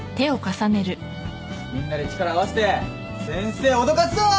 みんなで力合わせて先生おどかすぞ！